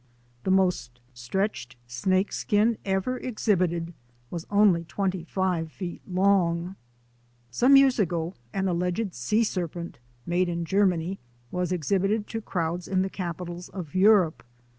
The most stretched snake skin ever exhibited was only twenty five feet long. Some yeais ago an alleged sea serpent — made in Germany — was exhibited to crowds in the capi tals of Europe.